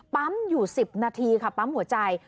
ปั๊มอยู่๑๐นาทีค่ะปั๊มหัวใจ